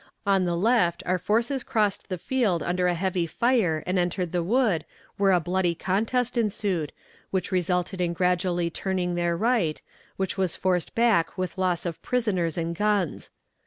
On the left our forces crossed the field under a heavy fire and entered the wood, where a bloody contest ensued, which resulted in gradually turning their right, which was forced back with loss of prisoners and guns.